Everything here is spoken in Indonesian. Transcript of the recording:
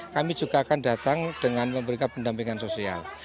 kami juga akan datang dengan memberikan pendampingan sosial